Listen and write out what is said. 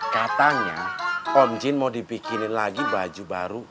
katanya om jin mau dibikinin lagi baju baru